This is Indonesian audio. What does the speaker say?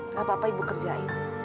gak apa apa ibu kerjain